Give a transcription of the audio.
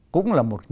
cũng là một nguy hiểm